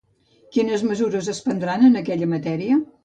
Quines mesures es prendran en aquella matèria?